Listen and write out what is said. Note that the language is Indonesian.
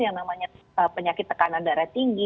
yang namanya penyakit tekanan darah tinggi